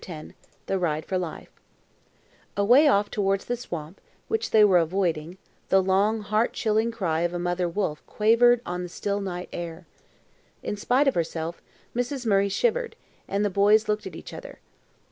SOUTHEY THE RIDE FOR LIFE Away off towards the swamp, which they were avoiding, the long, heart chilling cry of a mother wolf quavered on the still night air. In spite of herself, Mrs. Murray shivered, and the boys looked at each other.